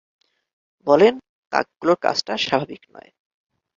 বলেন, কাকগুলোর কাজটা স্বাভাবিক নয়।